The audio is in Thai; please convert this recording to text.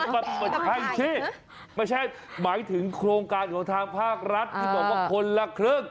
มันไม่ใช่สิไม่ใช่หมายถึงโครงการของทางภาครัฐที่บอกว่าคนละครึ่ง